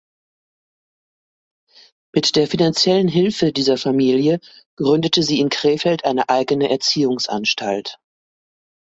Mit der finanziellen Hilfe dieser Familie gründete sie in Krefeld eine eigene Erziehungsanstalt.